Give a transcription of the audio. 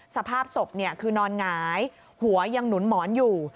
สภาพศพคือนอนหงายหัวยังหนุนหมอนอยู่